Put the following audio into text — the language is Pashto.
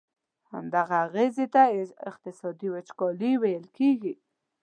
همدغه اغیزي ته اقتصادي وچکالي ویل کیږي.